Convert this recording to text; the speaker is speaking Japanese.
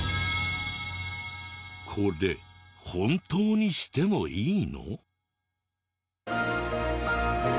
これ本当にしてもいいの？